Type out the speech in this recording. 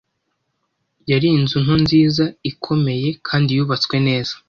Yari inzu nto nziza, ikomeye kandi yubatswe neza.